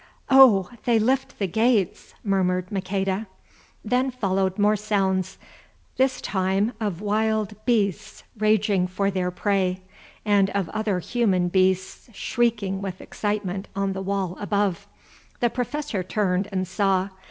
"Oh! they lift the gates!" murmured Maqueda. Then followed more sounds, this time of wild beasts raging for their prey, and of other human beasts shrieking with excitement on the wall above. The Professor turned and saw.